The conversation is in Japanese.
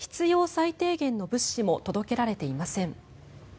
最低限の物資も届けられていません。